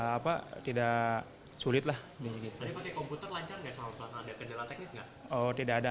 tadi pakai komputer lancar nggak sama pelaksanaan teknis nggak